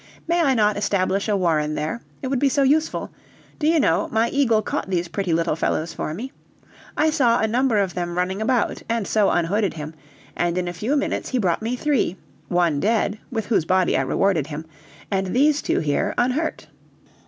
May I not establish a warren there? It would be so useful. Do you know, my eagle caught these pretty little fellows for me? I saw a number of them running about and so unhooded him, and in a few minutes he brought me three one dead, with whose body I rewarded him, and these two here, unhurt."